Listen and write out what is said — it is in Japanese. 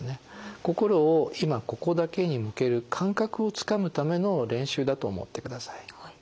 心を今・ここだけに向ける感覚をつかむための練習だと思ってください。